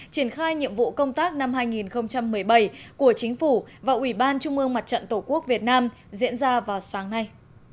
triển khai nhiệm vụ công tác năm hai nghìn một mươi bảy của chính phủ và ủy ban trung ương mặt trận tổ quốc việt nam diễn ra vào sáng nay